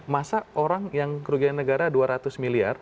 masa orang yang kerugian negara dua ratus miliar